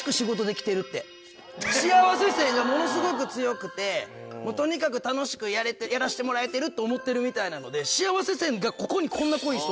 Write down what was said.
幸せ線がものすごく強くてとにかく楽しくやらしてもらえてると思ってるみたいなので幸せ線がここに。